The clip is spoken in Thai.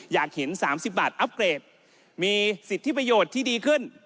อยากเห็น๓๐บาทอัพเกรดมีสิทธิประโยชน์ที่ดีขึ้น